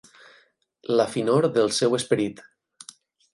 La finor del seu esperit.